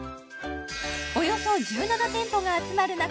およそ１７店舗が集まる中